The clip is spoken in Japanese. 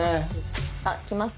あっ来ました。